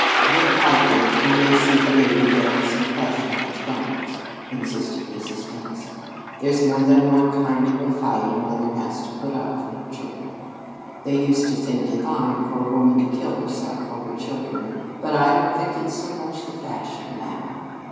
"They'll like it when they see the baby getting some flesh on its bones," insisted Mrs. Dennison. "There's more than one kind of a fight a mother has to put up for her children. They used to think it fine for a woman to kill herself for her children, but I don't think it's so much the fashion now.